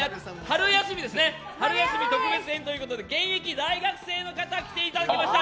春休み特別編ということで現役大学生の方来ていただきました。